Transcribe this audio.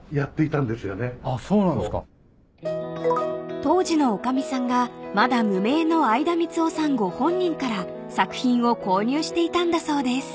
［当時の女将さんがまだ無名の相田みつをさんご本人から作品を購入していたんだそうです］